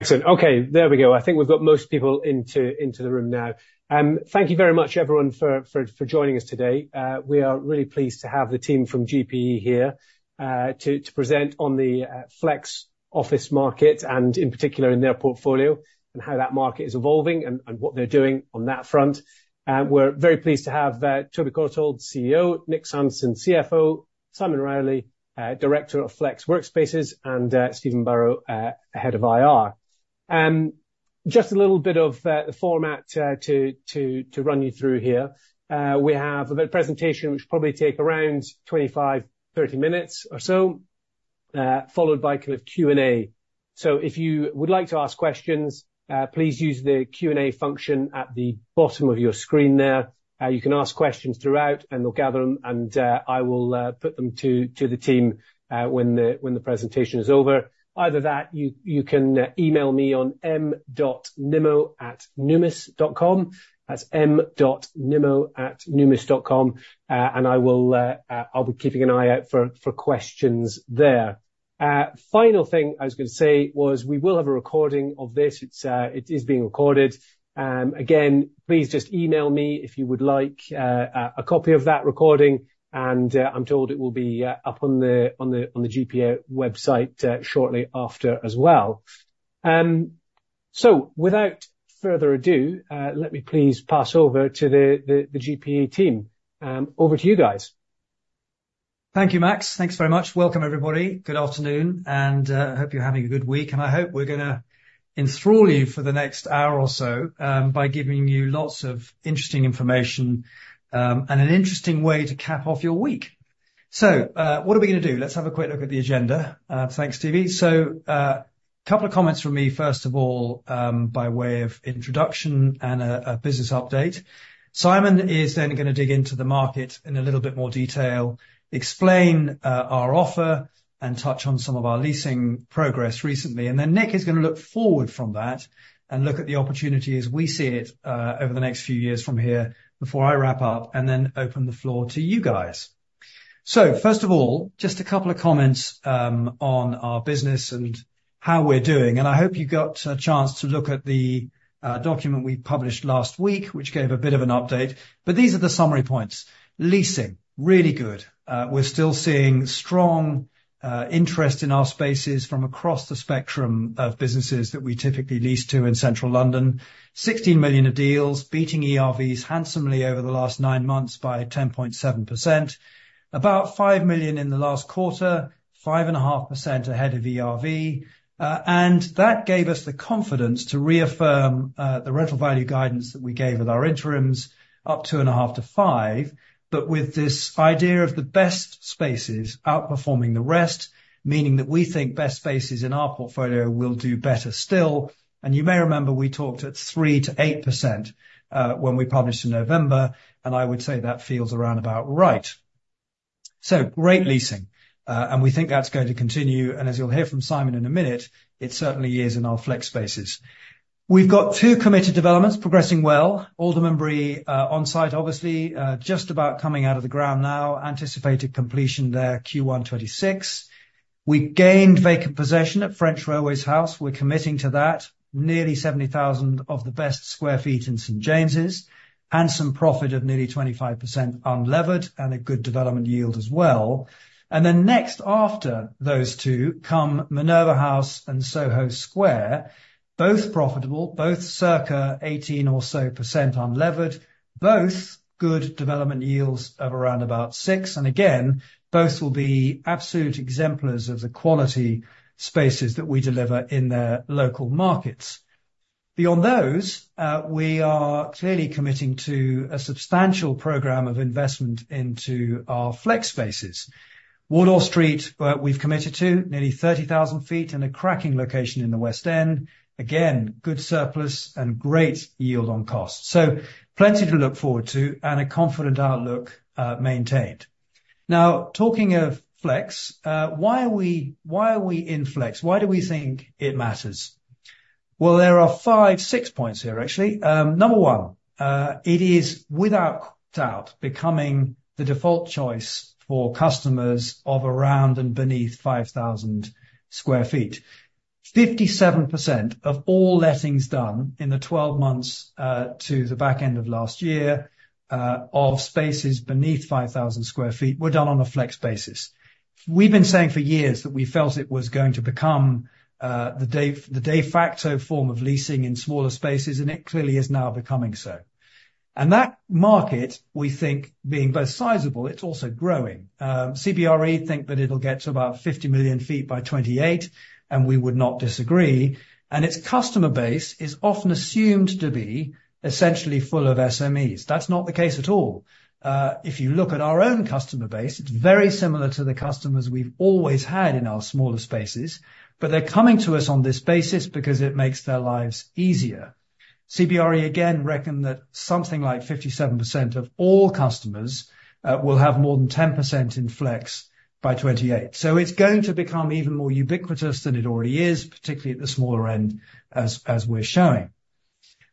Excellent. Okay, there we go. I think we've got most people into the room now. Thank you very much everyone for joining us today. We are really pleased to have the team from GPE here, to present on the flex office market and in particular in their portfolio, and how that market is evolving and what they're doing on that front. We're very pleased to have Toby Courtauld, CEO, Nick Sanderson, CFO, Simon Rowley, Director of Flex Workspaces, and Stephen Burrows, Head of IR. Just a little bit of the format to run you through here. We have a presentation which will probably take around 25-30 minutes or so, followed by kind of Q&A. So if you would like to ask questions, please use the Q&A function at the bottom of your screen there. You can ask questions throughout, and we'll gather them, and I will put them to the team when the presentation is over. Either that, you can email me on m.nimmo@numis.com. That's m.nimmo@numis.com. And I will, I'll be keeping an eye out for questions there. Final thing I was gonna say was we will have a recording of this. It's, it is being recorded. Again, please just email me if you would like a copy of that recording, and I'm told it will be up on the GPE website shortly after as well. So without further ado, let me please pass over to the GPE team. Over to you guys. Thank you, Max. Thanks very much. Welcome, everybody. Good afternoon, and I hope you're having a good week, and I hope we're gonna enthrall you for the next hour or so, by giving you lots of interesting information, and an interesting way to cap off your week. So, what are we gonna do? Let's have a quick look at the agenda. Thanks, Stevie. So, a couple of comments from me, first of all, by way of introduction and a business update. Simon is then gonna dig into the market in a little bit more detail, explain our offer, and touch on some of our leasing progress recently. Then Nick is gonna look forward from that and look at the opportunity as we see it, over the next few years from here, before I wrap up and then open the floor to you guys. First of all, just a couple of comments, on our business and how we're doing, and I hope you got a chance to look at the document we published last week, which gave a bit of an update, but these are the summary points. Leasing, really good. We're still seeing strong interest in our spaces from across the spectrum of businesses that we typically lease to in Central London. 16 million of deals, beating ERVs handsomely over the last 9 months by 10.7%. About 5 million in the last quarter, 5.5% ahead of ERV. And that gave us the confidence to reaffirm, the rental value guidance that we gave at our interims, up 2.5-5, but with this idea of the best spaces outperforming the rest, meaning that we think best spaces in our portfolio will do better still, and you may remember we talked at 3%-8%, when we published in November, and I would say that feels around about right. So great leasing, and we think that's going to continue, and as you'll hear from Simon in a minute, it certainly is in our flex spaces. We've got two committed developments progressing well. Aldermanbury, on site, obviously, just about coming out of the ground now. Anticipated completion there, Q1 2026. We gained vacant possession at French Railways House. We're committing to that. Nearly 70,000 of the best sq ft in St. James's, and some profit of nearly 25% unlevered, and a good development yield as well. And then next, after those two, come Minerva House and Soho Square, both profitable, both circa 18% or so unlevered, both good development yields of around about 6%, and again, both will be absolute exemplars of the quality spaces that we deliver in their local markets. Beyond those, we are clearly committing to a substantial program of investment into our flex spaces. Wardour Street, we've committed to nearly 30,000 sq ft and a cracking location in the West End. Again, good surplus and great yield on cost. So plenty to look forward to and a confident outlook, maintained. Now, talking of flex, why are we, why are we in flex? Why do we think it matters? Well, there are five, six points here, actually. Number one, it is without doubt, becoming the default choice for customers of around and beneath 5,000 sq ft. 57% of all lettings done in the 12 months to the back end of last year of spaces beneath 5,000 sq ft were done on a flex basis. We've been saying for years that we felt it was going to become the day, the de facto form of leasing in smaller spaces, and it clearly is now becoming so. And that market, we think, being both sizable, it's also growing. CBRE think that it'll get to about 50 million sq ft by 2028, and we would not disagree. And its customer base is often assumed to be essentially full of SMEs. That's not the case at all. If you look at our own customer base, it's very similar to the customers we've always had in our smaller spaces, but they're coming to us on this basis because it makes their lives easier. CBRE, again, reckon that something like 57% of all customers will have more than 10% in flex by 2028. So it's going to become even more ubiquitous than it already is, particularly at the smaller end, as we're showing.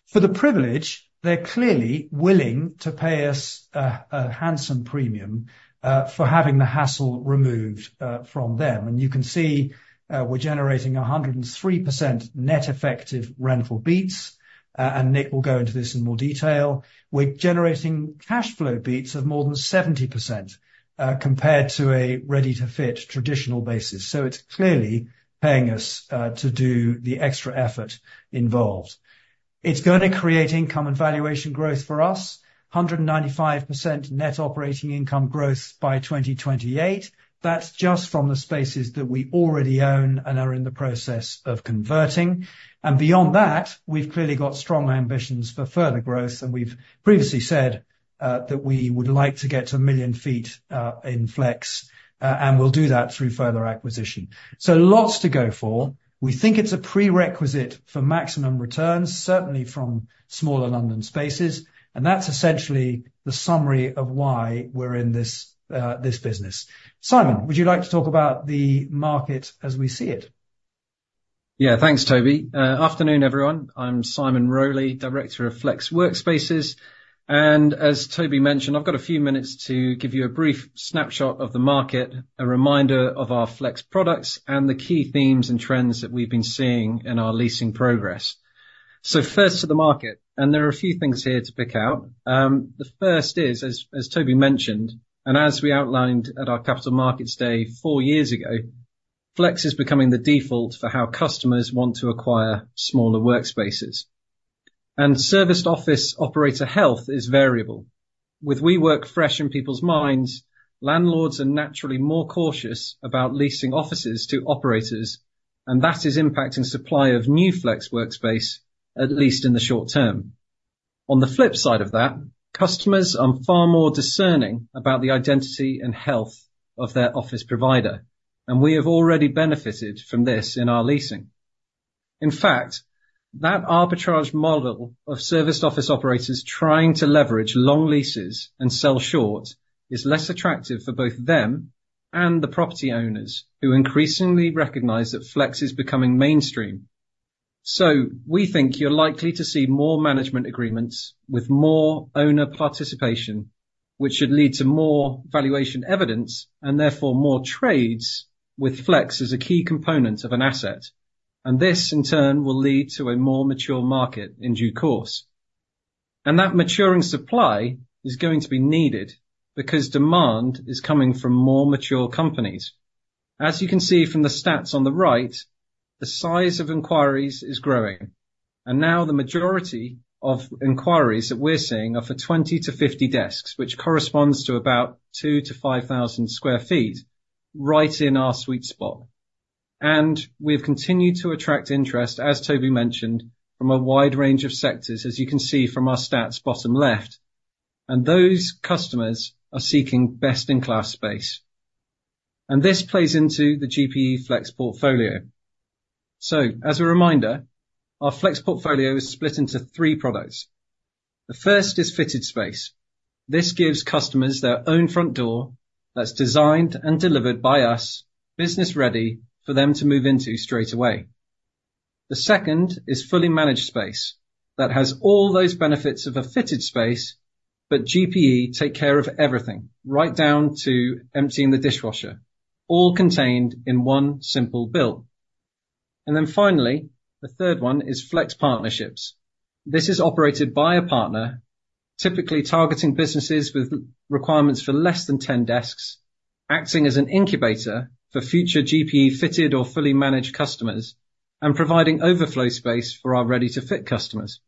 For the privilege, they're clearly willing to pay us a handsome premium for having the hassle removed from them. And you can see, we're generating 103% net effective rental beats. And Nick will go into this in more detail. We're generating cash flow beats of more than 70%, compared to a Ready to Fit traditional basis, so it's clearly paying us to do the extra effort involved. It's gonna create income and valuation growth for us. 195% net operating income growth by 2028. That's just from the spaces that we already own and are in the process of converting. And beyond that, we've clearly got strong ambitions for further growth, and we've previously said that we would like to get to 1 million sq ft in flex. And we'll do that through further acquisition. So lots to go for. We think it's a prerequisite for maximum returns, certainly from smaller London spaces, and that's essentially the summary of why we're in this business. Simon, would you like to talk about the market as we see it? Yeah. Thanks, Toby. Afternoon, everyone. I'm Simon Rowley, Director of Flex Workspaces, and as Toby mentioned, I've got a few minutes to give you a brief snapshot of the market, a reminder of our flex products, and the key themes and trends that we've been seeing in our leasing progress. First, to the market, and there are a few things here to pick out. The first is, as Toby mentioned, and as we outlined at our Capital Markets Day four years ago, flex is becoming the default for how customers want to acquire smaller workspaces. Serviced office operator health is variable. With WeWork fresh in people's minds, landlords are naturally more cautious about leasing offices to operators, and that is impacting supply of new flex workspace, at least in the short term. On the flip side of that, customers are far more discerning about the identity and health of their office provider, and we have already benefited from this in our leasing. In fact, that arbitrage model of serviced office operators trying to leverage long leases and sell short is less attractive for both them and the property owners, who increasingly recognize that flex is becoming mainstream. So we think you're likely to see more management agreements with more owner participation, which should lead to more valuation evidence, and therefore more trades, with flex as a key component of an asset. And this, in turn, will lead to a more mature market in due course. And that maturing supply is going to be needed, because demand is coming from more mature companies. As you can see from the stats on the right, the size of inquiries is growing, and now the majority of inquiries that we're seeing are for 20-50 desks, which corresponds to about 2,000-5,000 sq ft, right in our sweet spot. And we've continued to attract interest, as Toby mentioned, from a wide range of sectors, as you can see from our stats, bottom left, and those customers are seeking best-in-class space, and this plays into the GPE flex portfolio. So, as a reminder, our flex portfolio is split into three products. The first is Fitted Space. This gives customers their own front door that's designed and delivered by us, business-ready for them to move into straightaway. The second is Fully Managed Space. That has all those benefits of a fitted space, but GPE take care of everything, right down to emptying the dishwasher, all contained in one simple bill. Then finally, the third one is Flex Partnerships. This is operated by a partner, typically targeting businesses with requirements for less than 10 desks, acting as an incubator for future GPE Fitted or Fully Managed customers, and providing overflow space for our Ready to Fit customers.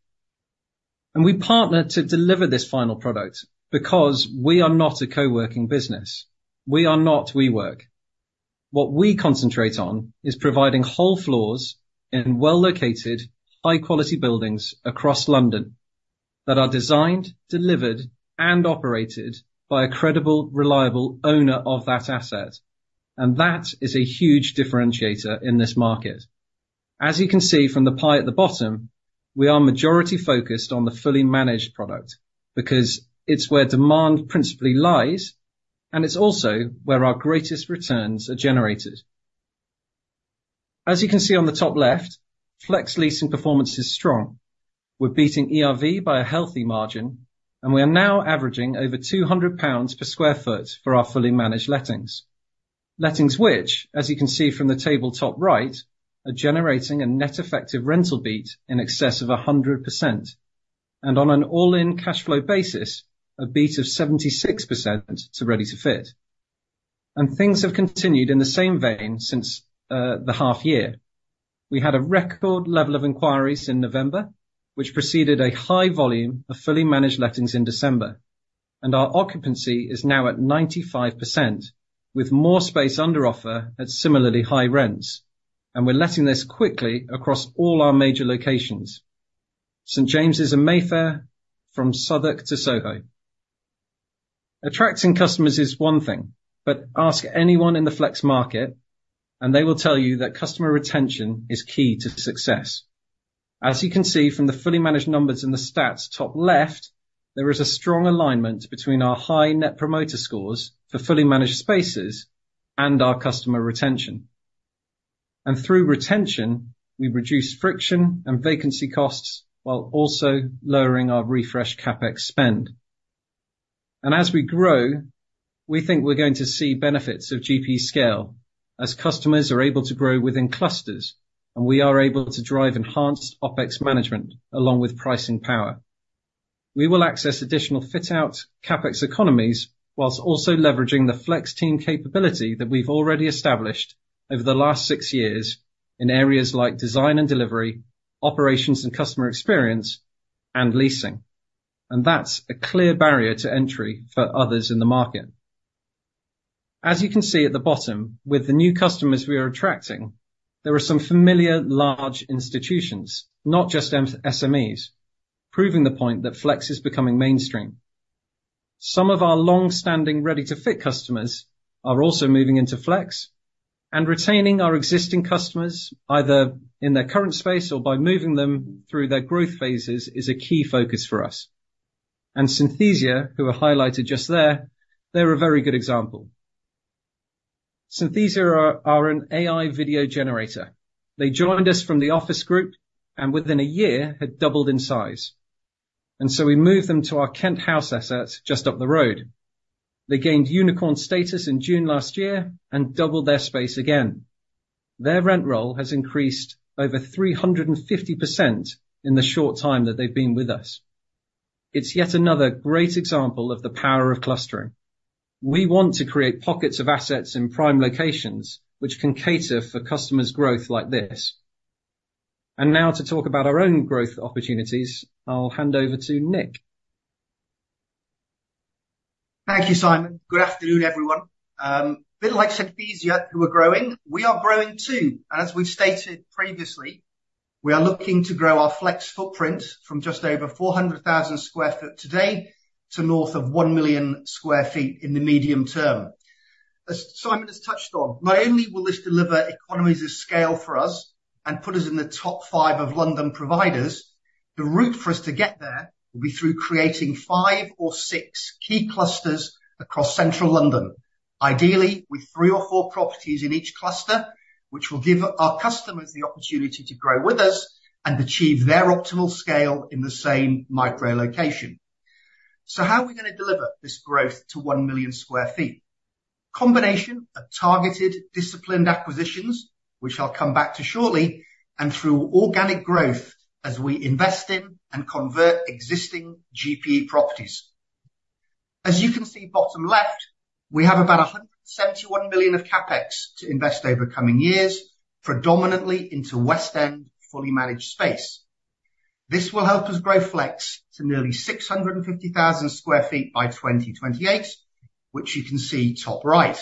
We partner to deliver this final product because we are not a co-working business. We are not WeWork. What we concentrate on is providing whole floors in well-located, high-quality buildings across London that are designed, delivered, and operated by a credible, reliable owner of that asset, and that is a huge differentiator in this market. As you can see from the pie at the bottom, we are majority focused on the Fully Managed product because it's where demand principally lies, and it's also where our greatest returns are generated. As you can see on the top left, flex leasing performance is strong. We're beating ERV by a healthy margin, and we are now averaging over 200 pounds per sq ft for our Fully Managed lettings. Lettings which, as you can see from the table top right, are generating a net effective rental beat in excess of 100%, and on an all-in cash flow basis, a beat of 76% to Ready to Fit. Things have continued in the same vein since the half year. We had a record level of inquiries in November, which preceded a high volume of Fully Managed lettings in December, and our occupancy is now at 95%, with more space under offer at similarly high rents. We're letting this quickly across all our major locations, St. James's in Mayfair, from Southwark to Soho. Attracting customers is one thing, but ask anyone in the flex market, and they will tell you that customer retention is key to success. As you can see from the Fully Managed numbers in the stats top left, there is a strong alignment between our high Net Promoter Scores for Fully Managed spaces and our customer retention... and through retention, we reduce friction and vacancy costs, while also lowering our refresh CapEx spend. As we grow, we think we're going to see benefits of GP scale as customers are able to grow within clusters, and we are able to drive enhanced OpEx management along with pricing power. We will access additional fit-out CapEx economies, while also leveraging the flex team capability that we've already established over the last six years in areas like design and delivery, operations and customer experience, and leasing. That's a clear barrier to entry for others in the market. As you can see at the bottom, with the new customers we are attracting, there are some familiar large institutions, not just SMEs, proving the point that flex is becoming mainstream. Some of our long-standing, Ready to Fit customers are also moving into flex and retaining our existing customers, either in their current space or by moving them through their growth phases is a key focus for us. And Synthesia, who are highlighted just there, they're a very good example. Synthesia are an AI video generator. They joined us from The Office Group, and within a year had doubled in size, and so we moved them to our Kent House asset, just up the road. They gained unicorn status in June last year and doubled their space again. Their rent roll has increased over 350% in the short time that they've been with us. It's yet another great example of the power of clustering. We want to create pockets of assets in prime locations, which can cater for customers' growth like this. And now, to talk about our own growth opportunities, I'll hand over to Nick. Thank you, Simon. Good afternoon, everyone. A bit like Synthesia, who are growing, we are growing too. As we've stated previously, we are looking to grow our flex footprint from just over 400,000 sq ft today, to north of 1 million sq ft in the medium term. As Simon has touched on, not only will this deliver economies of scale for us and put us in the top five of London providers, the route for us to get there will be through creating 5 or 6 key clusters across Central London. Ideally, with 3 or 4 properties in each cluster, which will give our customers the opportunity to grow with us and achieve their optimal scale in the same micro location. So how are we gonna deliver this growth to 1 million sq ft? Combination of targeted, disciplined acquisitions, which I'll come back to shortly, and through organic growth as we invest in and convert existing GP properties. As you can see, bottom left, we have about 171 million of CapEx to invest over coming years, predominantly into West End, Fully Managed space. This will help us grow flex to nearly 650,000 sq ft by 2028, which you can see top right.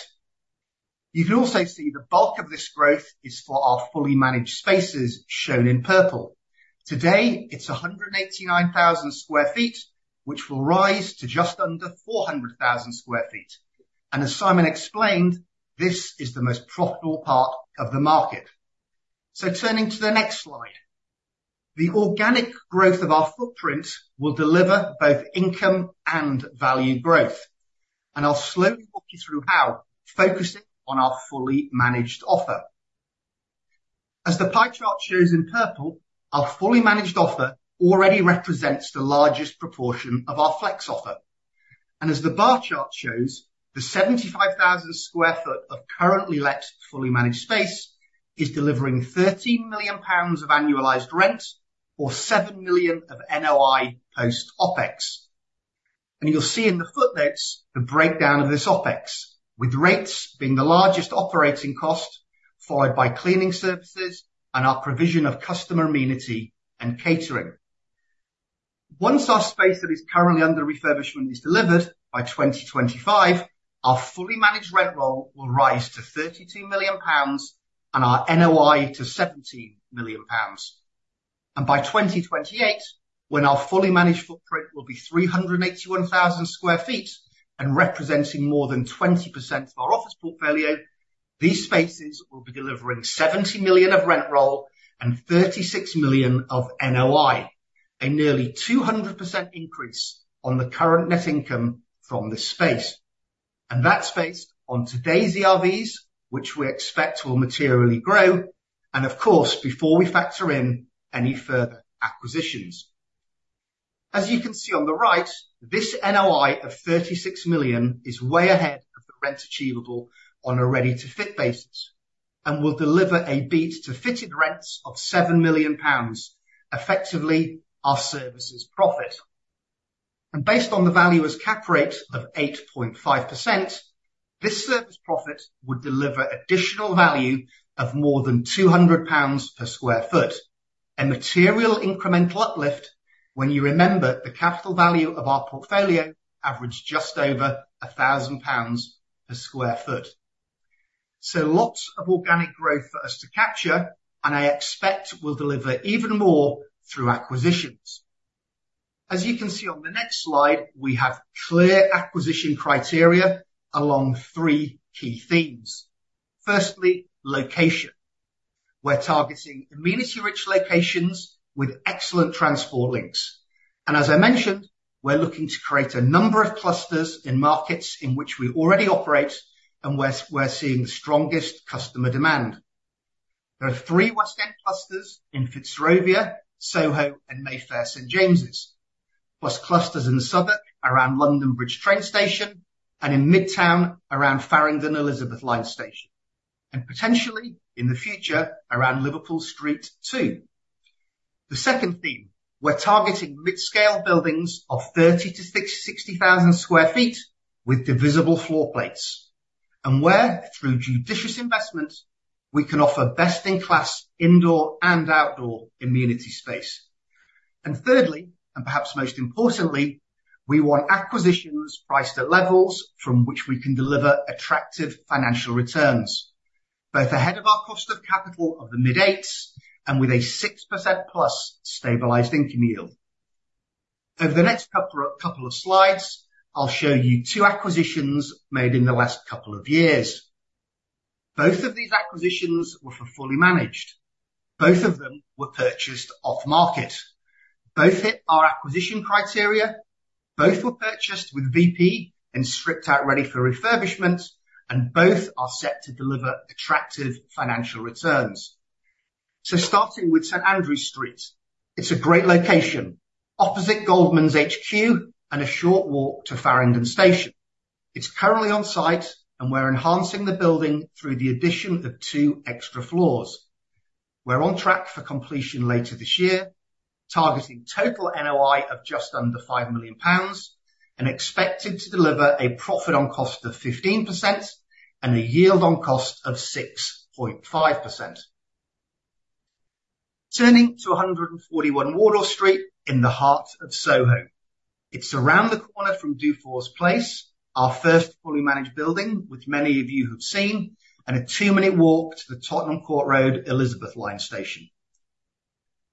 You can also see the bulk of this growth is for our Fully Managed spaces, shown in purple. Today, it's 189,000 sq ft, which will rise to just under 400,000 sq ft. And as Simon explained, this is the most profitable part of the market. So turning to the next slide. The organic growth of our footprint will deliver both income and value growth. I'll slowly walk you through how, focusing on our Fully Managed offer. As the pie chart shows in purple, our Fully Managed offer already represents the largest proportion of our flex offer, and as the bar chart shows, the 75,000 sq ft of currently let Fully Managed space is delivering 13 million pounds of annualized rent or 7 million of NOI post OpEx. You'll see in the footnotes the breakdown of this OpEx, with rates being the largest operating cost, followed by cleaning services and our provision of customer amenity and catering. Once our space that is currently under refurbishment is delivered by 2025, our Fully Managed rent roll will rise to 32 million pounds and our NOI to 17 million pounds. By 2028, when our Fully Managed footprint will be 381,000 sq ft and representing more than 20% of our office portfolio, these spaces will be delivering 70 million of rent roll and 36 million of NOI. A nearly 200% increase on the current net income from this space. That's based on today's ERVs, which we expect will materially grow, and of course, before we factor in any further acquisitions. As you can see on the right, this NOI of 36 million is way ahead of the rent achievable on a Ready to Fit basis, and will deliver a beat to Fitted rents of GBP 7 million, effectively, our services profit. Based on the value as cap rate of 8.5%, this service profit would deliver additional value of more than 200 pounds per sq ft. A material incremental uplift when you remember the capital value of our portfolio averaged just over 1,000 pounds per sq ft. So lots of organic growth for us to capture, and I expect we'll deliver even more through acquisitions. As you can see on the next slide, we have clear acquisition criteria along three key themes. Firstly, location. We're targeting amenity-rich locations with excellent transport links.... And as I mentioned, we're looking to create a number of clusters in markets in which we already operate and where we're seeing the strongest customer demand. There are three West End clusters in Fitzrovia, Soho, and Mayfair, St. James's, plus clusters in Southwark, around London Bridge Train Station, and in Midtown, around Farringdon Elizabeth Line Station, and potentially, in the future, around Liverpool Street, too. The second theme, we're targeting mid-scale buildings of 30-60,000 sq ft with divisible floor plates, and where, through judicious investments, we can offer best-in-class indoor and outdoor amenity space. Thirdly, and perhaps most importantly, we want acquisitions priced at levels from which we can deliver attractive financial returns, both ahead of our cost of capital of the mid-eights, and with a 6%+ stabilized income yield. Over the next couple of slides, I'll show you two acquisitions made in the last couple of years. Both of these acquisitions were for Fully Managed. Both of them were purchased off-market. Both hit our acquisition criteria, both were purchased with VP and stripped out, ready for refurbishment, and both are set to deliver attractive financial returns. So starting with St. Andrew Street, it's a great location, opposite Goldman's HQ and a short walk to Farringdon Station. It's currently on site, and we're enhancing the building through the addition of two extra floors. We're on track for completion later this year, targeting total NOI of just under 5 million pounds, and expected to deliver a profit on cost of 15% and a yield on cost of 6.5%. Turning to 141 Wardour Street in the heart of Soho. It's around the corner from Dufour's Place, our first Fully Managed building, which many of you have seen, and a two-minute walk to the Tottenham Court Road Elizabeth Line Station.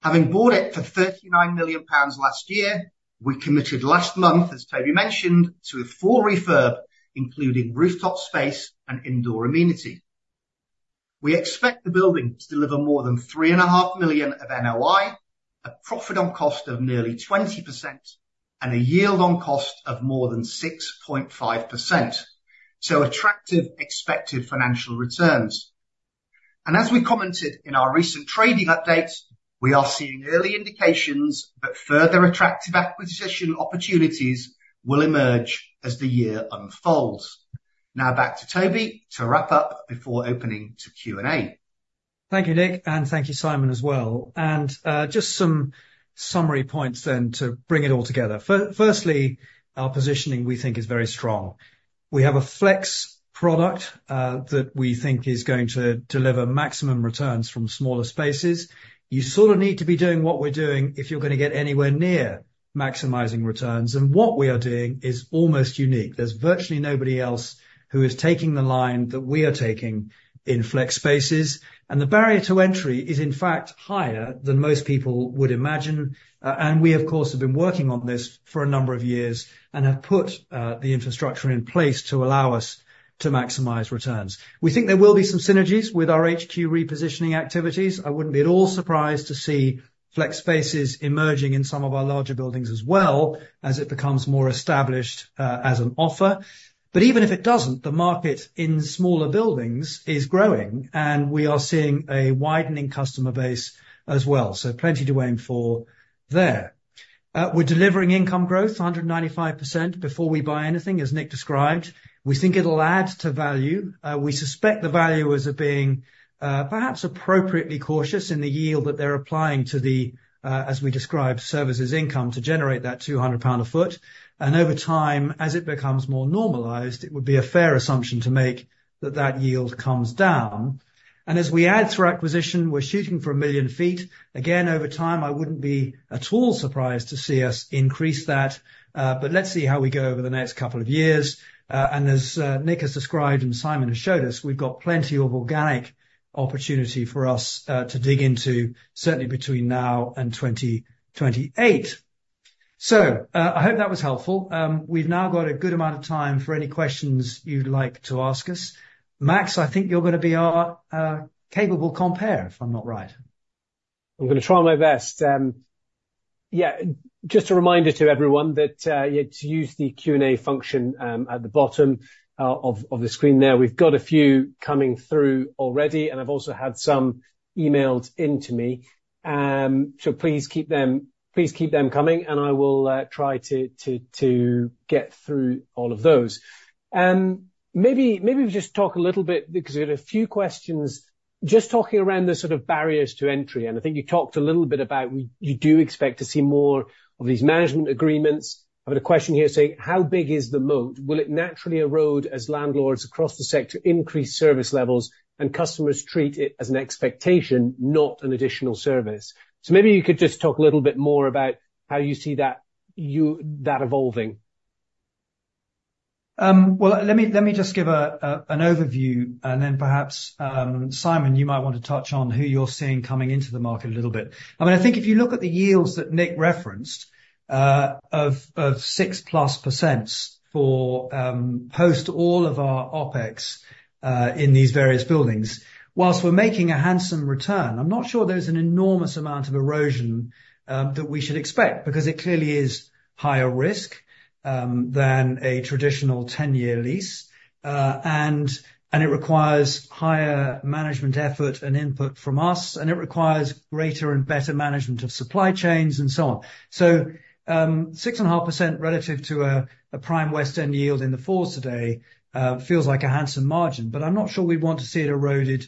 Having bought it for 39 million pounds last year, we committed last month, as Toby mentioned, to a full refurb, including rooftop space and indoor amenity. We expect the building to deliver more than 3.5 million of NOI, a profit on cost of nearly 20%, and a yield on cost of more than 6.5%, so attractive expected financial returns. As we commented in our recent trading update, we are seeing early indications that further attractive acquisition opportunities will emerge as the year unfolds. Now back to Toby to wrap up before opening to Q&A. Thank you, Nick, and thank you, Simon, as well. Just some summary points then to bring it all together. Firstly, our positioning, we think, is very strong. We have a flex product that we think is going to deliver maximum returns from smaller spaces. You sort of need to be doing what we're doing if you're gonna get anywhere near maximizing returns, and what we are doing is almost unique. There's virtually nobody else who is taking the line that we are taking in flex spaces, and the barrier to entry is, in fact, higher than most people would imagine. We, of course, have been working on this for a number of years and have put the infrastructure in place to allow us to maximize returns. We think there will be some synergies with our HQ repositioning activities. I wouldn't be at all surprised to see flex spaces emerging in some of our larger buildings as well, as it becomes more established, as an offer. But even if it doesn't, the market in smaller buildings is growing, and we are seeing a widening customer base as well, so plenty to aim for there. We're delivering income growth, 195%, before we buy anything, as Nick described. We think it'll add to value. We suspect the valuers are being, perhaps appropriately cautious in the yield that they're applying to the, as we described, services income to generate that £200 a foot, and over time, as it becomes more normalized, it would be a fair assumption to make that that yield comes down. And as we add to our acquisition, we're shooting for 1 million ft. Again, over time, I wouldn't be at all surprised to see us increase that, but let's see how we go over the next couple of years. And as Nick has described and Simon has showed us, we've got plenty of organic opportunity for us to dig into, certainly between now and 2028. So, I hope that was helpful. We've now got a good amount of time for any questions you'd like to ask us. Max, I think you're gonna be our capable compere, if I'm not right. I'm gonna try my best. Yeah, just a reminder to everyone that you're to use the Q&A function at the bottom of the screen there. We've got a few coming through already, and I've also had some emailed into me. So please keep them, please keep them coming, and I will try to get through all of those. Maybe, maybe just talk a little bit, because we had a few questions just talking around the sort of barriers to entry, and I think you talked a little bit about you do expect to see more of these management agreements. I've got a question here saying: How big is the moat? Will it naturally erode as landlords across the sector increase service levels and customers treat it as an expectation, not an additional service? Maybe you could just talk a little bit more about how you see that you... that evolving.. Well, let me, let me just give a, a, an overview and then perhaps, Simon, you might want to touch on who you're seeing coming into the market a little bit. I mean, I think if you look at the yields that Nick referenced, of, of 6%+ for, post all of our OpEx, in these various buildings, while we're making a handsome return, I'm not sure there's an enormous amount of erosion, that we should expect, because it clearly is higher risk, than a traditional 10-year lease. And, and it requires higher management effort and input from us, and it requires greater and better management of supply chains and so on. So, 6.5% relative to a prime West End yield in the 4s today feels like a handsome margin, but I'm not sure we'd want to see it eroded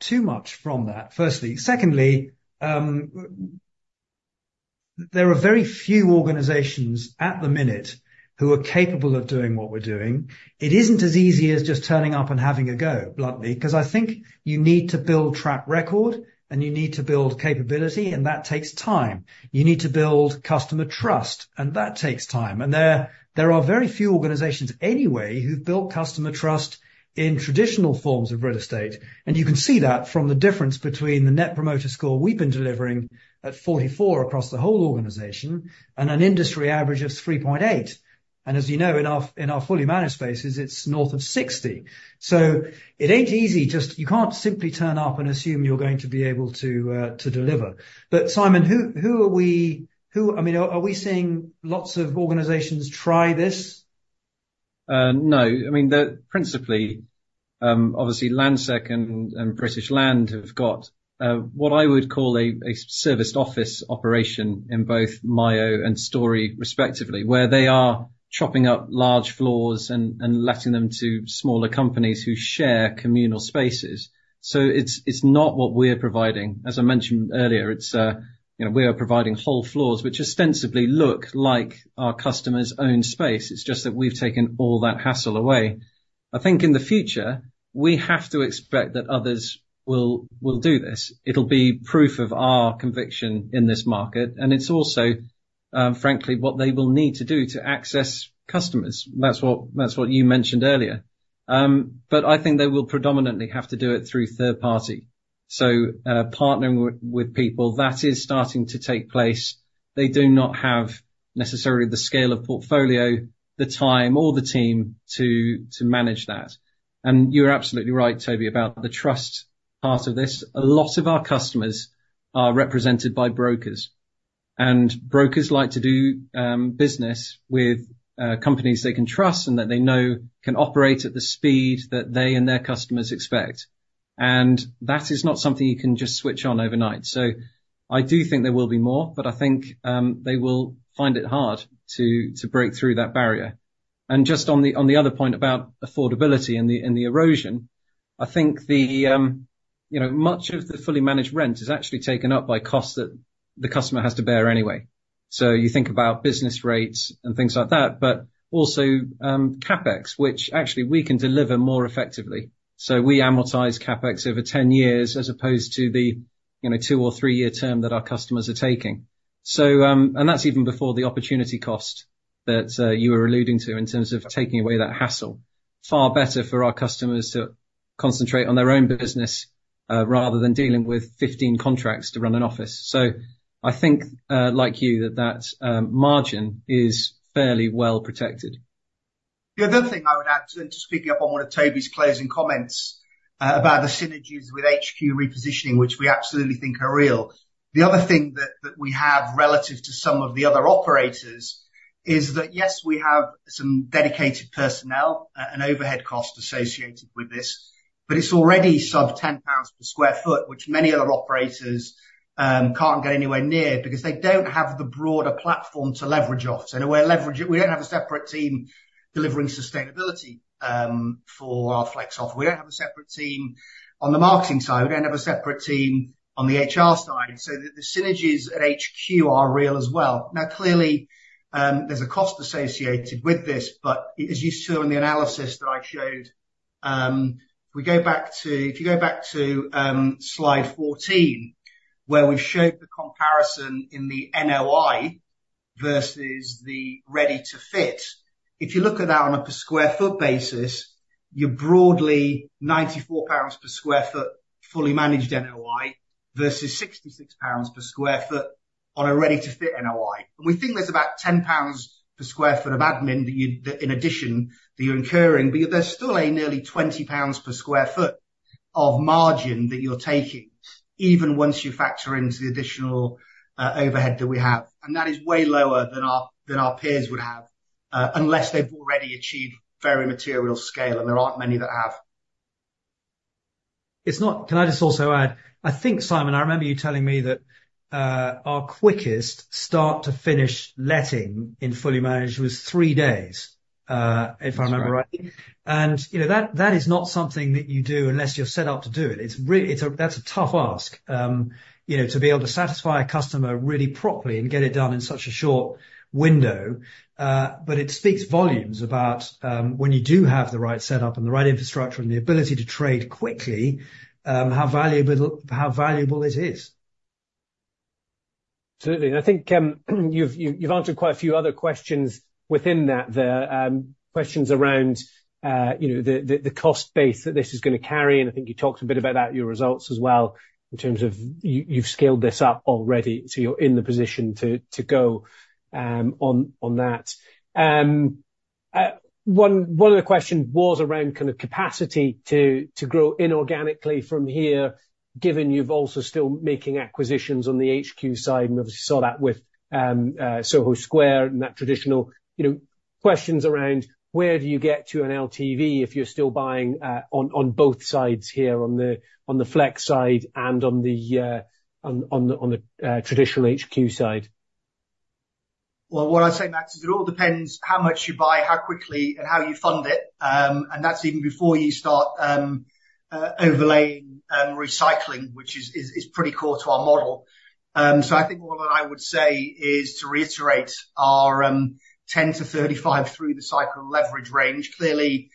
too much from that, firstly. Secondly, there are very few organizations at the minute who are capable of doing what we're doing. It isn't as easy as just turning up and having a go, bluntly, 'cause I think you need to build track record, and you need to build capability, and that takes time. You need to build customer trust, and that takes time. And there are very few organizations anyway, who've built customer trust in traditional forms of real estate, and you can see that from the difference between the Net Promoter Score we've been delivering at 44 across the whole organization and an industry average of 3.8. And as you know, in our Fully Managed spaces, it's north of 60. So it ain't easy, just... You can't simply turn up and assume you're going to be able to to deliver. But Simon, who are we... I mean, are we seeing lots of organizations try this? No. I mean, principally, obviously, Landsec and British Land have got what I would call a serviced office operation in both Myo and Storey respectively, where they are chopping up large floors and letting them to smaller companies who share communal spaces. So it's not what we're providing. As I mentioned earlier, you know, we are providing whole floors, which ostensibly look like our customer's own space. It's just that we've taken all that hassle away. I think in the future, we have to expect that others will do this. It'll be proof of our conviction in this market, and it's also, frankly, what they will need to do to access customers. That's what you mentioned earlier. But I think they will predominantly have to do it through third party. So, partnering with people, that is starting to take place. They do not have necessarily the scale of portfolio, the time or the team to manage that. And you're absolutely right, Toby, about the trust part of this. A lot of our customers are represented by brokers, and brokers like to do business with companies they can trust and that they know can operate at the speed that they and their customers expect. And that is not something you can just switch on overnight. So I do think there will be more, but I think they will find it hard to break through that barrier. And just on the other point about affordability and the erosion, I think, you know, much of the Fully Managed rent is actually taken up by costs that the customer has to bear anyway. So you think about business rates and things like that, but also, CapEx, which actually we can deliver more effectively. So we amortize CapEx over 10 years, as opposed to, you know, 2 or 3-year term that our customers are taking. So, and that's even before the opportunity cost that you were alluding to in terms of taking away that hassle. Far better for our customers to concentrate on their own business, rather than dealing with 15 contracts to run an office. So I think, like you, that margin is fairly well protected. The other thing I would add, and to piggyback on one of Toby's closing comments, about the synergies with HQ repositioning, which we absolutely think are real. The other thing that we have relative to some of the other operators is that, yes, we have some dedicated personnel, and overhead cost associated with this, but it's already sub 10 pounds per sq ft, which many other operators, can't get anywhere near because they don't have the broader platform to leverage off. So we're leveraging-- we don't have a separate team delivering sustainability, for our flex office. We don't have a separate team on the marketing side. We don't have a separate team on the HR side, so the synergies at HQ are real as well. Now, clearly, there's a cost associated with this, but as you saw in the analysis that I showed, if you go back to slide 14, where we've showed the comparison in the NOI versus the Ready to Fit. If you look at that on a per sq ft basis, you're broadly 94 pounds per sq ft, Fully Managed NOI, versus 66 pounds per sq ft on a Ready to Fit NOI. And we think there's about 10 pounds per sq ft of admin that you, that in addition, that you're incurring, but there's still a nearly 20 pounds per sq ft of margin that you're taking, even once you factor into the additional, overhead that we have. And that is way lower than our, than our peers would have, unless they've already achieved very material scale, and there aren't many that have. Can I just also add? I think, Simon, I remember you telling me that our quickest start to finish letting in Fully Managed was three days, if I remember right. That's right. You know, that is not something that you do unless you're set up to do it. It's a tough ask, you know, to be able to satisfy a customer really properly and get it done in such a short window. But it speaks volumes about when you do have the right setup and the right infrastructure and the ability to trade quickly, how valuable, how valuable this is. Absolutely, and I think you've answered quite a few other questions within that there. Questions around, you know, the cost base that this is gonna carry, and I think you talked a bit about that in your results as well, in terms of you've scaled this up already, so you're in the position to go on that. One other question was around kind of capacity to grow inorganically from here, given you're also still making acquisitions on the HQ side, and obviously saw that with Soho Square and that traditional, you know, questions around: Where do you get to an LTV if you're still buying on both sides here, on the flex side and on the traditional HQ side? Well, what I'd say, Max, is it all depends how much you buy, how quickly, and how you fund it. And that's even before you start overlaying recycling, which is pretty core to our model. So I think what I would say is, to reiterate our 10-35 through the cycle leverage range. Clearly,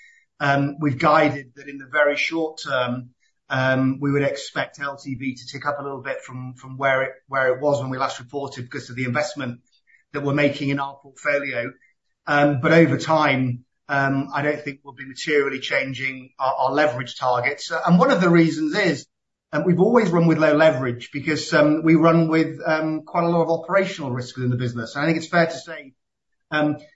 we've guided that in the very short term, we would expect LTV to tick up a little bit from where it was when we last reported, because of the investment that we're making in our portfolio. But over time, I don't think we'll be materially changing our leverage targets. And one of the reasons is, we've always run with low leverage because we run with quite a lot of operational risk in the business. I think it's fair to say,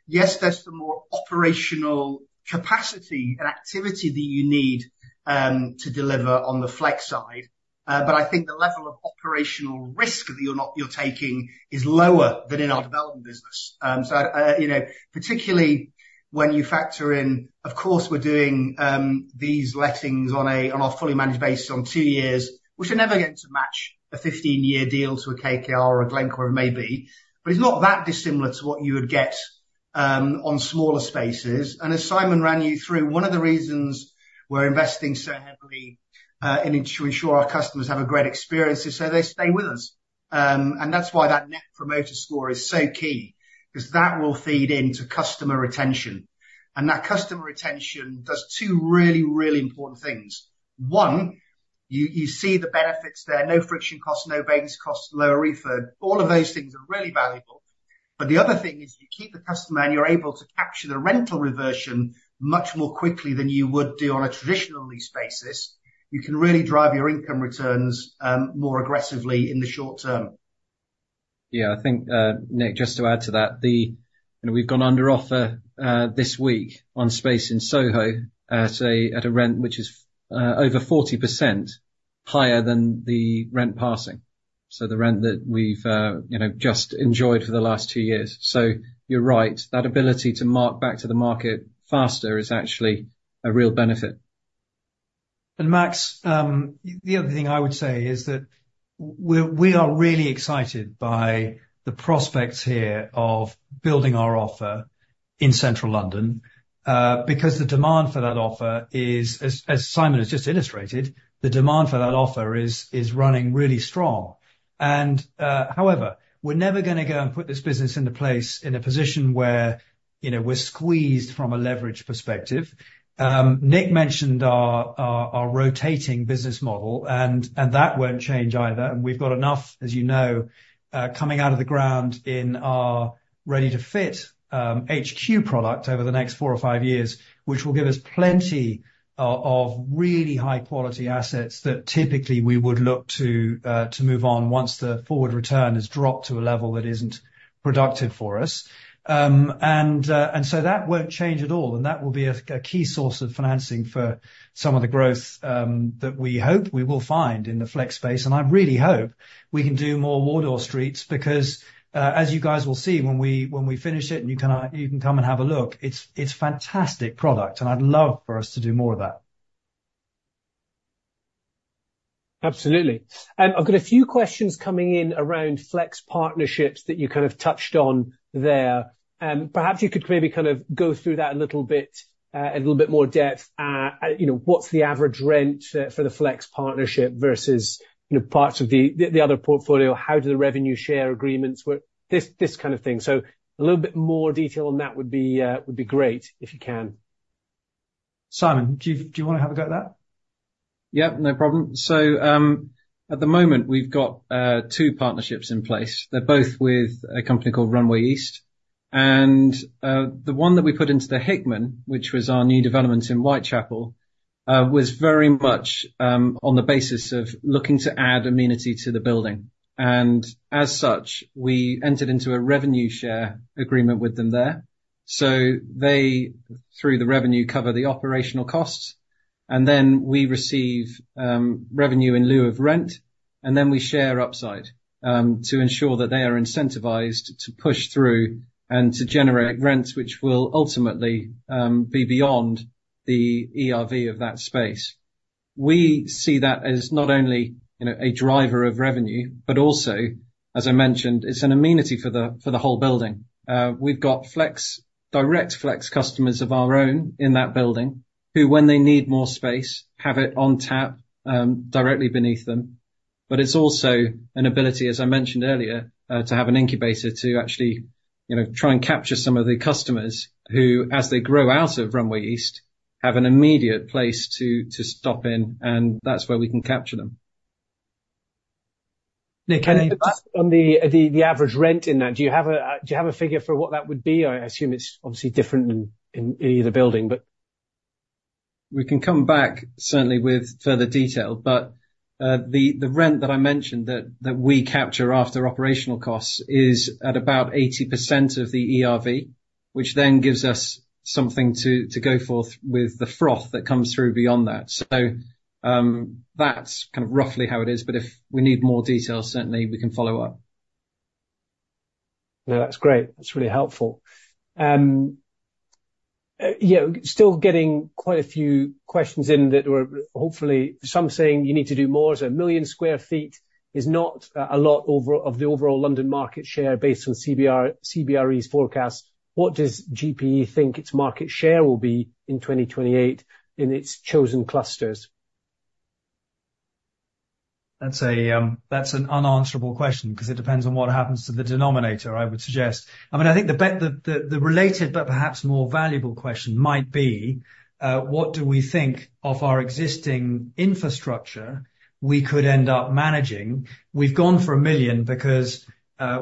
yes, there's some more operational capacity and activity that you need, to deliver on the flex side, but I think the level of operational risk that you're taking, is lower than in our development business. So, you know, particularly when you factor in, of course, we're doing these lettings on a Fully Managed basis on two years, which are never going to match a 15-year deal to a KKR or a Glencore or maybe, but it's not that dissimilar to what you would get, on smaller spaces. And as Simon ran you through, one of the reasons we're investing so heavily, and to ensure our customers have a great experience is so they stay with us. And that's why that Net Promoter Score is so key, 'cause that will feed into customer retention. And that customer retention does two really, really important things. One, you, you see the benefits there, no friction costs, no vacancy costs, lower refund. All of those things are really valuable. But the other thing is, you keep the customer, and you're able to capture the rental reversion much more quickly than you would do on a traditional lease basis. You can really drive your income returns, more aggressively in the short term. Yeah. I think, Nick, just to add to that. You know, we've gone under offer this week on space in Soho at a rent which is over 40% higher than the rent passing, so the rent that we've you know just enjoyed for the last two years. So you're right, that ability to mark back to the market faster is actually a real benefit. Max, the other thing I would say is that we are really excited by the prospects here of building our offer in Central London, because the demand for that offer is, as Simon has just illustrated, the demand for that offer is running really strong. However, we're never gonna go and put this business into place in a position where, you know, we're squeezed from a leverage perspective. Nick mentioned our rotating business model, and that won't change either. And we've got enough, as you know, coming out of the ground in our Ready to Fit HQ product over the next four or five years, which will give us plenty of really high-quality assets that typically we would look to to move on, once the forward return has dropped to a level that isn't productive for us. And so that won't change at all, and that will be a key source of financing for some of the growth that we hope we will find in the flex space. And I really hope we can do more Wardour Streets, because as you guys will see when we finish it, and you can come and have a look, it's fantastic product, and I'd love for us to do more of that. Absolutely. I've got a few questions coming in around Flex Partnerships that you kind of touched on there. Perhaps you could maybe kind of go through that in a little bit, in a little bit more depth. You know, what's the average rent for the flex partnership versus, you know, parts of the other portfolio? How do the revenue share agreements work? This kind of thing. So a little bit more detail on that would be great, if you can. Simon, do you wanna have a go at that? Yeah, no problem. So, at the moment, we've got, two partnerships in place. They're both with a company called Runway East, and, the one that we put into The Hickman, which was our new development in Whitechapel, was very much, on the basis of looking to add amenity to the building. And as such, we entered into a revenue share agreement with them there. So they, through the revenue, cover the operational costs, and then we receive, revenue in lieu of rent, and then we share upside, to ensure that they are incentivized to push through and to generate rents, which will ultimately, be beyond the ERV of that space. We see that as not only, you know, a driver of revenue, but also, as I mentioned, it's an amenity for the, for the whole building. We've got flex direct flex customers of our own in that building, who, when they need more space, have it on tap, directly beneath them. But it's also an ability, as I mentioned earlier, to have an incubator to actually, you know, try and capture some of the customers who, as they grow out of Runway East, have an immediate place to, to stop in, and that's where we can capture them. Nick, can you- On the average rent in that, do you have a figure for what that would be? I assume it's obviously different in either building, but. We can come back certainly with further detail, but the rent that I mentioned that we capture after operational costs is at about 80% of the ERV, which then gives us something to go forth with the froth that comes through beyond that. So, that's kind of roughly how it is, but if we need more details, certainly we can follow up. No, that's great. That's really helpful. Yeah, still getting quite a few questions in that were hopefully. Some saying you need to do more, so 1 million sq ft is not a lot over of the overall London market share based on CBRE's forecast. What does GPE think its market share will be in 2028 in its chosen clusters? That's a, that's an unanswerable question, 'cause it depends on what happens to the denominator, I would suggest. I mean, I think the related, but perhaps more valuable question might be, what do we think of our existing infrastructure we could end up managing? We've gone for 1 million because,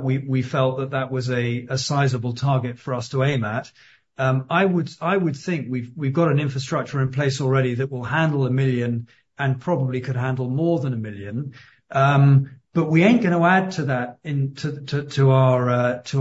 we felt that that was a sizable target for us to aim at. I would think we've got an infrastructure in place already that will handle 1 million and probably could handle more than 1 million. But we ain't gonna add to that in to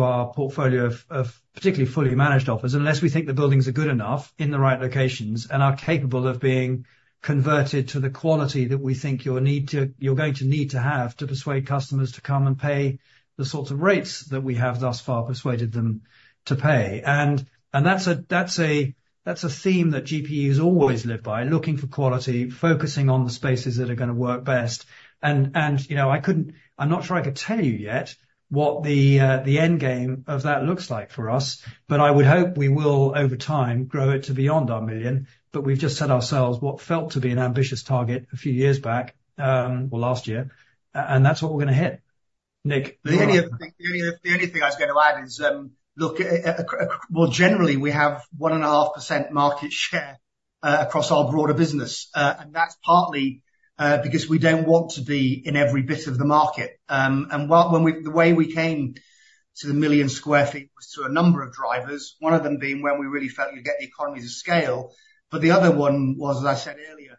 our portfolio of particularly Fully Managed office, unless we think the buildings are good enough in the right locations and are capable of being converted to the quality that we think you'll need to—you're going to need to have to persuade customers to come and pay the sorts of rates that we have thus far persuaded them to pay. And that's a theme that GPE has always lived by, looking for quality, focusing on the spaces that are gonna work best. And, you know, I couldn't—I'm not sure I could tell you yet what the end game of that looks like for us, but I would hope we will, over time, grow it to beyond our million. But we've just set ourselves what felt to be an ambitious target a few years back, last year, and that's what we're gonna hit. Nick? The only other thing I was going to add is, look, well, generally, we have 1.5% market share across our broader business, and that's partly because we don't want to be in every bit of the market. And the way we came to 1 million sq ft was through a number of drivers, one of them being when we really felt you get the economies of scale. But the other one was, as I said earlier,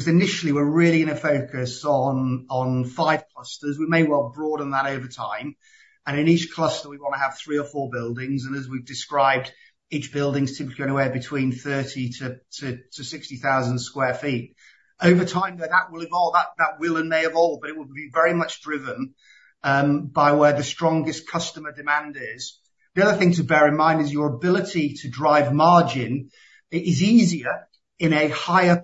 because initially, we're really going to focus on 5 clusters. We may well broaden that over time, and in each cluster, we want to have 3 or 4 buildings, and as we've described, each building's typically anywhere between 30,000-60,000 sq ft. Over time, that will evolve, that, that will and may evolve, but it will be very much driven by where the strongest customer demand is. The other thing to bear in mind is your ability to drive margin is easier in a higher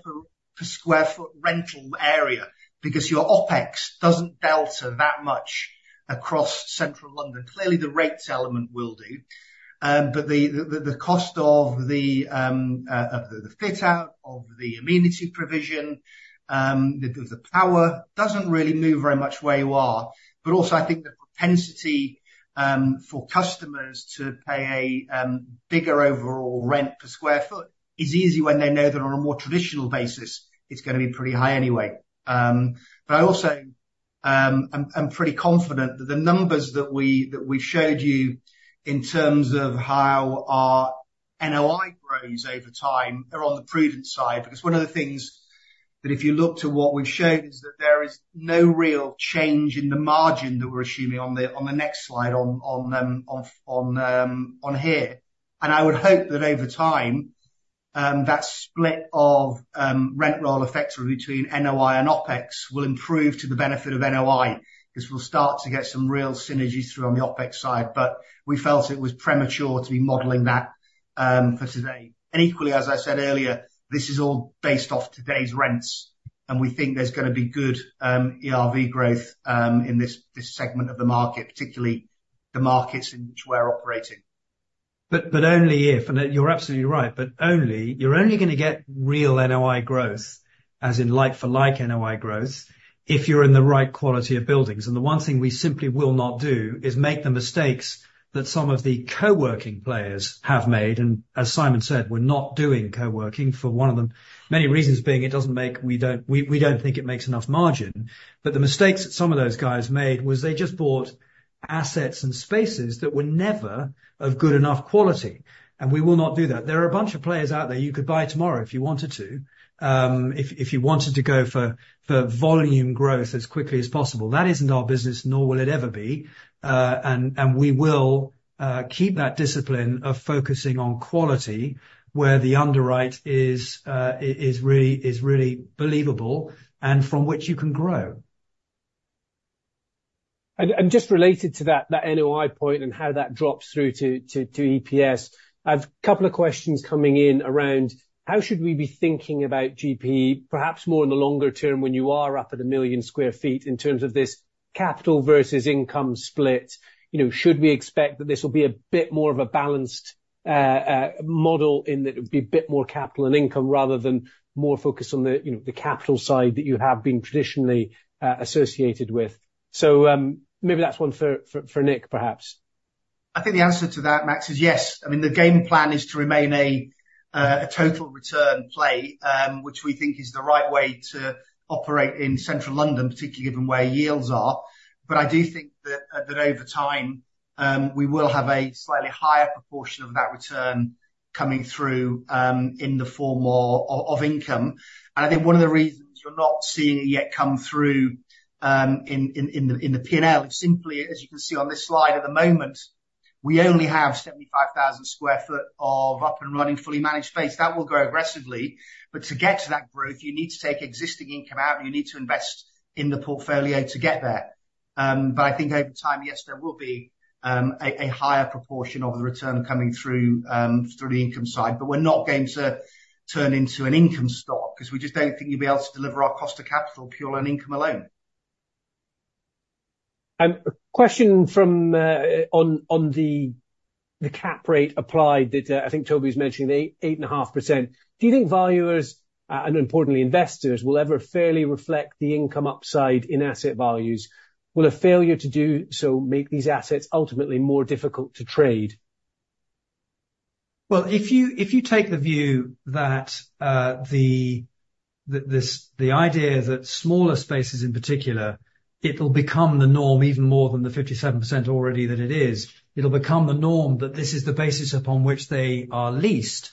per square foot rental area because your OpEx doesn't delta that much across Central London. Clearly, the rates element will do, but the cost of the fit out, of the amenity provision, the power doesn't really move very much where you are. But also, I think the propensity for customers to pay a bigger overall rent per square foot is easy when they know that on a more traditional basis, it's gonna be pretty high anyway. But I also, I'm pretty confident that the numbers that we've showed you in terms of how our NOI grows over time are on the prudent side. Because one of the things that if you look to what we've shown, is that there is no real change in the margin that we're assuming on the next slide here. And I would hope that over time, that split of rent roll effect between NOI and OpEx will improve to the benefit of NOI, 'cause we'll start to get some real synergies through on the OpEx side. But we felt it was premature to be modeling that for today. Equally, as I said earlier, this is all based off today's rents, and we think there's gonna be good ERV growth in this segment of the market, particularly the markets in which we're operating. But only if, and you're absolutely right, but only... You're only gonna get real NOI growth, as in like for like NOI growth, if you're in the right quality of buildings. And the one thing we simply will not do is make the mistakes that some of the co-working players have made. And as Simon said, we're not doing co-working for one of the many reasons being, it doesn't make—we don't, we, we don't think it makes enough margin. But the mistakes that some of those guys made was they just bought assets and spaces that were never of good enough quality, and we will not do that. There are a bunch of players out there you could buy tomorrow if you wanted to, if you wanted to go for volume growth as quickly as possible. That isn't our business, nor will it ever be, and we will keep that discipline of focusing on quality where the underwrite is really believable and from which you can grow. And just related to that NOI point and how that drops through to EPS, I've a couple of questions coming in around: How should we be thinking about GPE, perhaps more in the longer term, when you are up at 1 million sq ft in terms of this capital versus income split? You know, should we expect that this will be a bit more of a balanced model in that it would be a bit more capital and income rather than more focused on the capital side that you have been traditionally associated with? So, maybe that's one for Nick, perhaps. I think the answer to that, Max, is yes. I mean, the game plan is to remain a total return play, which we think is the right way to operate in Central London, particularly given where yields are. But I do think that over time, we will have a slightly higher proportion of that return coming through in the form more of income. And I think one of the reasons you're not seeing it yet come through in the P&L is simply, as you can see on this slide, at the moment, we only have 75,000 sq ft of up-and-running, Fully Managed space. That will grow aggressively, but to get to that growth, you need to take existing income out and you need to invest in the portfolio to get there. But I think over time, yes, there will be a higher proportion of the return coming through the income side, but we're not going to turn into an income stock, 'cause we just don't think you'd be able to deliver our cost of capital, pure on income alone. A question from on the cap rate applied that I think Toby's mentioning, the 8.5%. Do you think valuers and importantly investors will ever fairly reflect the income upside in asset values? Will a failure to do so make these assets ultimately more difficult to trade? Well, if you take the view that the idea that smaller spaces, in particular, it'll become the norm even more than the 57% already that it is, it'll become the norm that this is the basis upon which they are leased.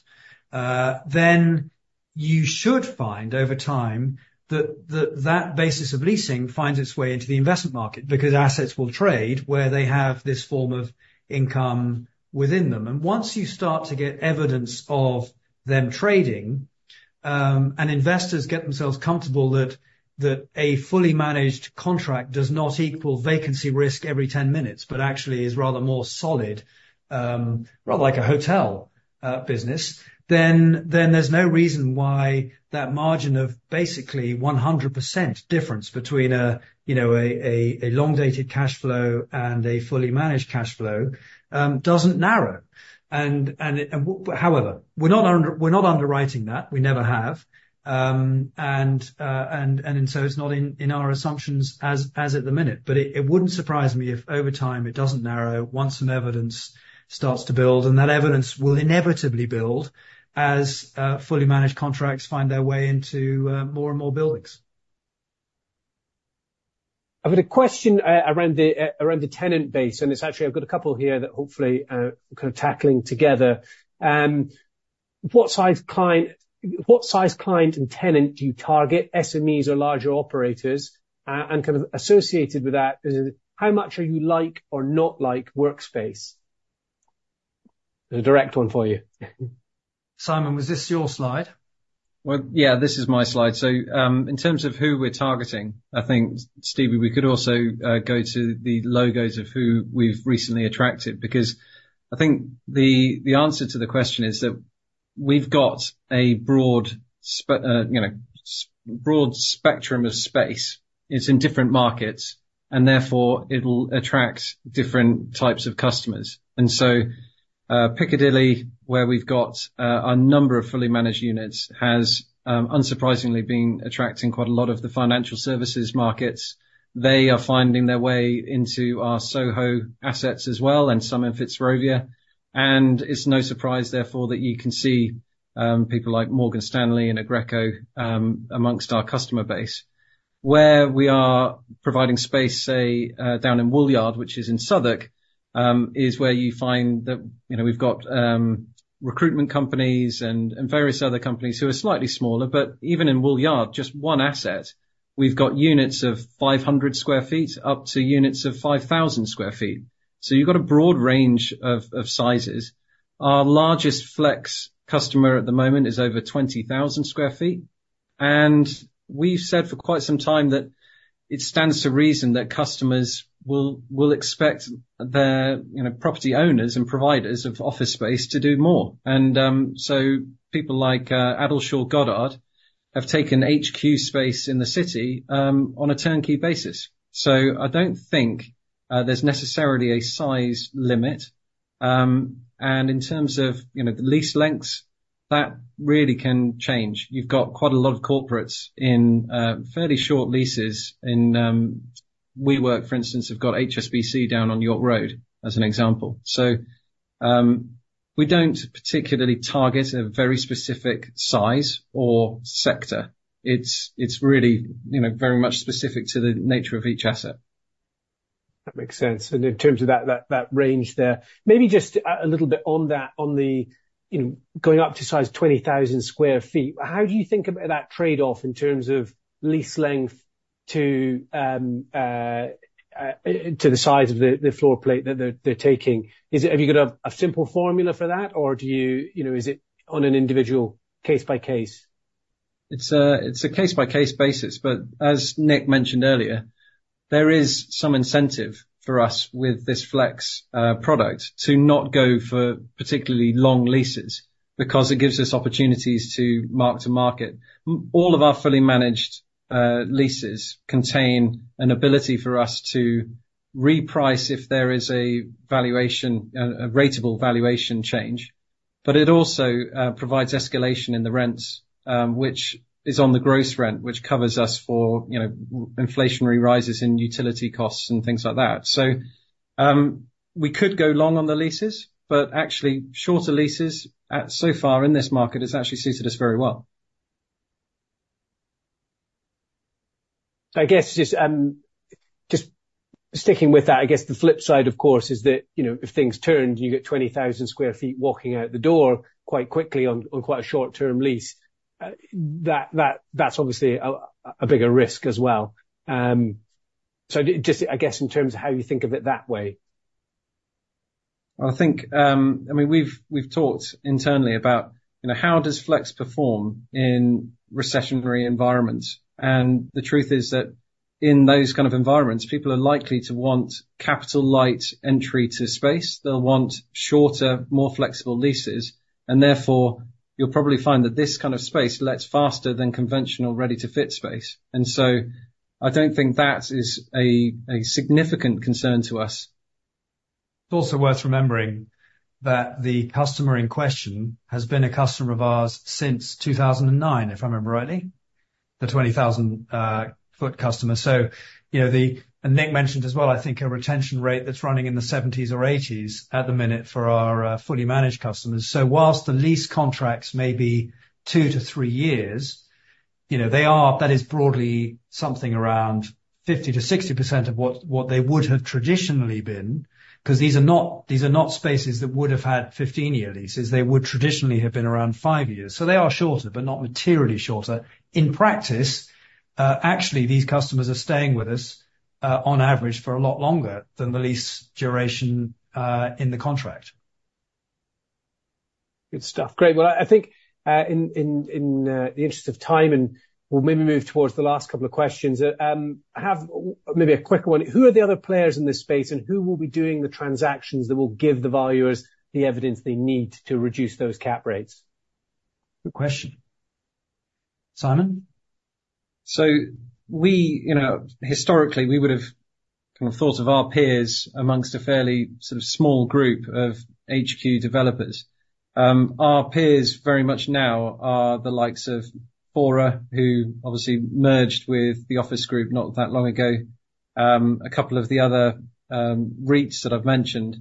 Then, you should find over time, that that basis of leasing finds its way into the investment market, because assets will trade where they have this form of income within them. Once you start to get evidence of them trading, and investors get themselves comfortable that a Fully Managed contract does not equal vacancy risk every 10 minutes, but actually is rather more solid, rather like a hotel business, then there's no reason why that margin of basically 100% difference between a, you know, a long-dated cashflow and a Fully Managed cashflow doesn't narrow. However, we're not underwriting that. We never have. And so it's not in our assumptions as at the minute, but it wouldn't surprise me if over time it doesn't narrow, once some evidence starts to build. And that evidence will inevitably build as Fully Managed contracts find their way into more and more buildings. I've got a question around the tenant base, and it's actually, I've got a couple here that hopefully kind of tackling together. What size client and tenant do you target, SMEs or larger operators? And kind of associated with that, is, how much are you like or not like Workspace? A direct one for you. Simon, was this your slide? Well, yeah, this is my slide. So, in terms of who we're targeting, I think, Stevie, we could also go to the logos of who we've recently attracted, because I think the answer to the question is that we've got a broad spectrum of space. You know, it's in different markets, and therefore, it'll attract different types of customers. And so, Piccadilly, where we've got a number of Fully Managed units, has, unsurprisingly, been attracting quite a lot of the financial services markets. They are finding their way into our Soho assets as well, and some in Fitzrovia, and it's no surprise, therefore, that you can see people like Morgan Stanley and Glencore amongst our customer base. Where we are providing space, say, down in Woolyard, which is in Southwark, is where you find that, you know, we've got recruitment companies and, and various other companies who are slightly smaller. But even in Woolyard, just one asset, we've got units of 500 sq ft, up to units of 5,000 sq ft. So you've got a broad range of, of sizes. Our largest flex customer at the moment is over 20,000 sq ft, and we've said for quite some time that it stands to reason that customers will, will expect their, you know, property owners and providers of office space to do more. And so people like Addleshaw Goddard have taken HQ space in the City on a turnkey basis. So I don't think there's necessarily a size limit. And in terms of, you know, the lease lengths, that really can change. You've got quite a lot of corporates in fairly short leases in WeWork, for instance, have got HSBC down on York Road, as an example. So, we don't particularly target a very specific size or sector. It's really, you know, very much specific to the nature of each asset. That makes sense. And in terms of that range there, maybe just a little bit on that, on the, you know, going up to size 20,000 sq ft, how do you think about that trade-off in terms of lease length to the size of the floor plate that they're taking? Is it- Have you got a simple formula for that, or do you, you know, is it on an individual case by case? It's a, it's a case-by-case basis, but as Nick mentioned earlier, there is some incentive for us with this flex product, to not go for particularly long leases, because it gives us opportunities to mark to market. All of our Fully Managed leases contain an ability for us to reprice if there is a valuation, a rateable valuation change, but it also provides escalation in the rents, which is on the gross rent, which covers us for, you know, inflationary rises in utility costs and things like that. So, we could go long on the leases, but actually, shorter leases, so far in this market, has actually suited us very well. I guess just sticking with that, I guess the flip side, of course, is that, you know, if things turn, you get 20,000 sq ft walking out the door quite quickly on quite a short-term lease, that, that's obviously a bigger risk as well. So just, I guess, in terms of how you think of it that way? I think, I mean, we've talked internally about, you know, how does flex perform in recessionary environments? And the truth is that in those kind of environments, people are likely to want capital light entry to space. They'll want shorter, more flexible leases, and therefore, you'll probably find that this kind of space lets faster than conventional Ready to Fit space. And so I don't think that is a significant concern to us. It's also worth remembering that the customer in question has been a customer of ours since 2009, if I remember rightly, the 20,000-foot customer. So you know, the. And Nick mentioned as well, I think, a retention rate that's running in the 70s or 80s at the minute for our Fully Managed customers. So while the lease contracts may be 2-3 years, you know, they are—that is broadly something around 50%-60% of what, what they would have traditionally been, 'cause these are not, these are not spaces that would have had 15-year leases. They would traditionally have been around 5 years. So they are shorter, but not materially shorter. In practice, actually, these customers are staying with us, on average, for a lot longer than the lease duration, in the contract. Good stuff. Great! Well, I think in the interest of time, and we'll maybe move towards the last couple of questions. I have maybe a quick one: Who are the other players in this space, and who will be doing the transactions that will give the valuers the evidence they need to reduce those cap rates? Good question. Simon? So we, you know, historically, we would have kind of thought of our peers amongst a fairly sort of small group of HQ developers. Our peers very much now are the likes of Fora, who obviously merged with The Office Group not that long ago, a couple of the other REITs that I've mentioned,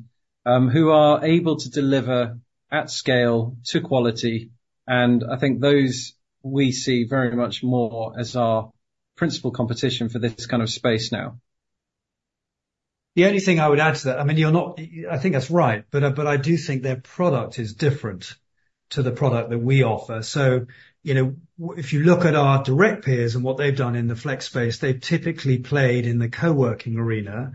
who are able to deliver at scale to quality, and I think those we see very much more as our principal competition for this kind of space now. The only thing I would add to that, I mean, you're not, I think that's right, but, but I do think their product is different to the product that we offer. So, you know, if you look at our direct peers and what they've done in the flex space, they've typically played in the co-working arena.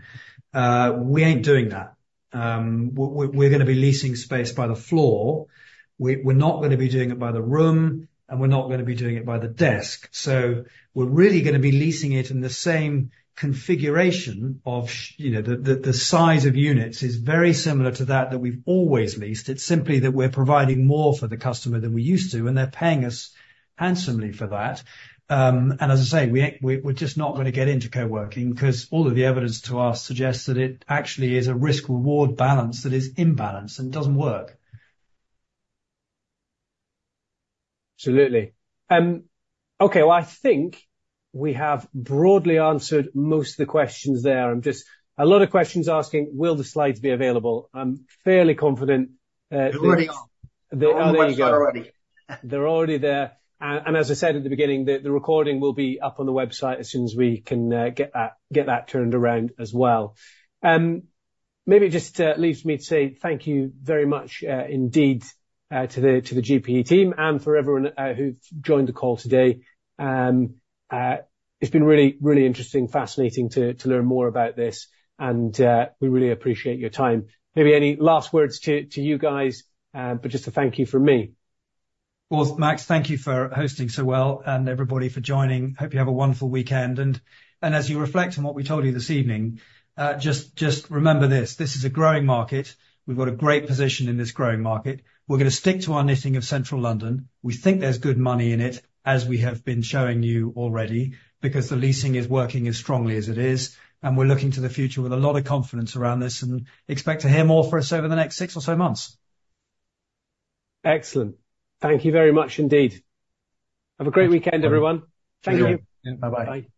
We ain't doing that. We're gonna be leasing space by the floor. We're not gonna be doing it by the room, and we're not gonna be doing it by the desk. So we're really gonna be leasing it in the same configuration. You know, the size of units is very similar to that we've always leased. It's simply that we're providing more for the customer than we used to, and they're paying us handsomely for that. And as I say, we're just not gonna get into co-working, 'cause all of the evidence to us suggests that it actually is a risk-reward balance that is imbalanced and doesn't work. Absolutely. Okay, well, I think we have broadly answered most of the questions there. Just a lot of questions asking: Will the slides be available? I'm fairly confident. They already are. They are. There you go. Already. They're already there. As I said at the beginning, the recording will be up on the website as soon as we can get that turned around as well. Maybe just leaves me to say thank you very much indeed to the GPE team and for everyone who's joined the call today. It's been really, really interesting, fascinating to learn more about this, and we really appreciate your time. Maybe any last words to you guys, but just a thank you from me. Well, Max, thank you for hosting so well and everybody for joining. Hope you have a wonderful weekend, and as you reflect on what we told you this evening, just remember this: This is a growing market. We've got a great position in this growing market. We're gonna stick to our knitting of Central London. We think there's good money in it, as we have been showing you already, because the leasing is working as strongly as it is, and we're looking to the future with a lot of confidence around this and expect to hear more from us over the next six or so months. Excellent. Thank you very much indeed. Have a great weekend, everyone. Thank you. Bye-bye. Bye.